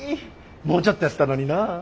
もうちょっとやったのになあ。